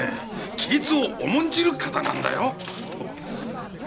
規律を重んじる方なんだよ！？